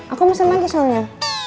aku mesen lagi soalnya